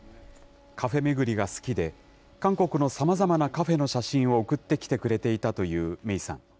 カフェ巡りが好きで、韓国のさまざまなカフェの写真を送ってきてくれていたという芽生さん。